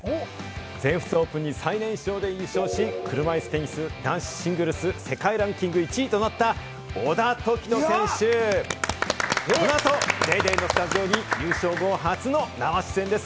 全仏オープンに最年少で優勝し、車いすテニス男子シングルス世界ランキング１位となった小田凱人選手、このあと『ＤａｙＤａｙ．』のスタジオに優勝後、初の生出演です。